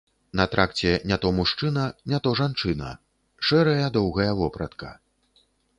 На тракце не то мужчына, не то жанчына, шэрая доўгая вопратка.